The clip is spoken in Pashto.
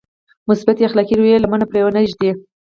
مثبتې اخلاقي رويې لمنه پرې نهږدي.